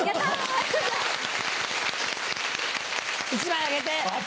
１枚あげて。